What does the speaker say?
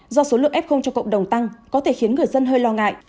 do số lượng f cho cộng đồng tăng có thể khiến người dân hơi lo ngại